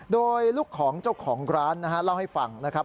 โดยลูกของเจ้าของร้านนะฮะเล่าให้ฟังนะครับ